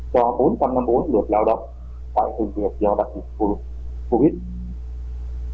cho bốn trăm năm mươi bốn luật lao động phải thực hiện do đặc dụng covid